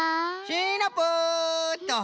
シナプーっと。